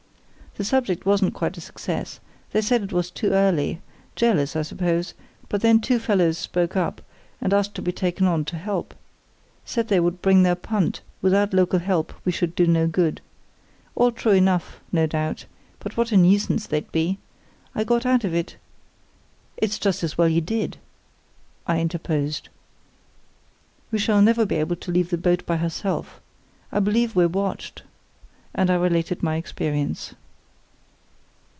_ The subject wasn't quite a success. They said it was too early—jealous, I suppose; but then two fellows spoke up, and asked to be taken on to help. Said they would bring their punt; without local help we should do no good. All true enough, no doubt, but what a nuisance they'd be. I got out of it——" "It's just as well you did," I interposed. "We shall never be able to leave the boat by herself. I believe we're watched," and I related my experience.